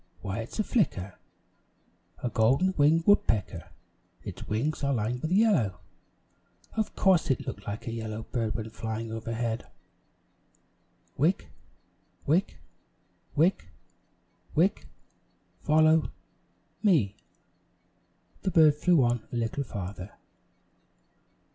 Why, it's a flicker a golden winged woodpecker. Its wings are lined with yellow. Of course it looked like a yellow bird when flying overhead." "Wick wick wick wick follow me." The bird flew on a little farther.